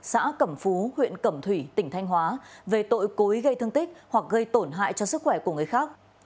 xã cẩm phú huyện cẩm thủy tỉnh thanh hóa về tội cối gây thương tích hoặc gây tổn hại cho sức khỏe của người khác